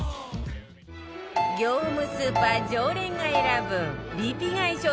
業務スーパー常連が選ぶリピ買い